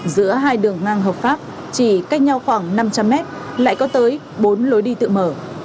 giữa hai đường ngang hợp pháp chỉ cách nhau khoảng năm trăm linh mét lại có tới bốn lối đi tự mở